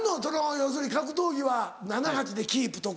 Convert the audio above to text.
要するに格闘技は７８でキープとか。